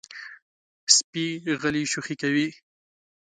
سپي غلی شوخي کوي.